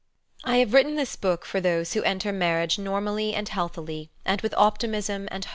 f I have written this book for those who enter mar i riage normally and healthily, and with optimism and